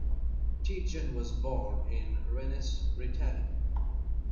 Teitgen was born in Rennes, Brittany.